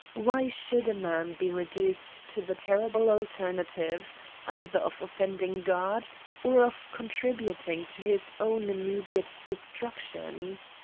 Why should a man be reduced to the terrible alternative, either of offending God, or of contributing to his own immediate destruc I CRIMES AND PUNISHVftiNTS. 72 tioh